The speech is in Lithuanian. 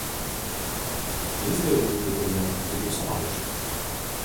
Lizdą jaunikliai palieka po trijų savaičių.